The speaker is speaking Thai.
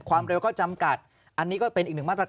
ความเร็วก็จำกัดอันนี้ก็เป็นอีกหนึ่งมาตรฐาน